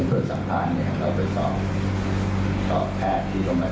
คุณแรงว่าเจ้าออกมาจากเพิ่มคดีของฟ้า